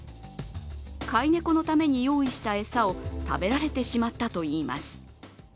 飼い猫のために用意した餌を食べられてしまったといいます。